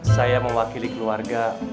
saya mewakili keluarga